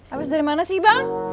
habis dari mana sih bang